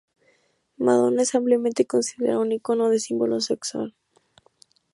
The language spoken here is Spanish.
Madonna es ampliamente considerada un ícono y símbolo sexual.